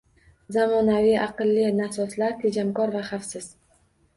Zamonaviy “Aqlli” nasoslar – tejamkor va xavfsiz